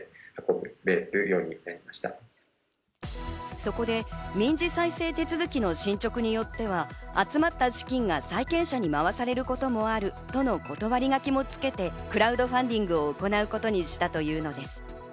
そこで民事再生手続きの進捗によっては集まった資金が債権者に回されることもあるとの断り書きもつけてクラウドファンディングを行うことにしたというのです。